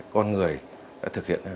con người đã thực hiện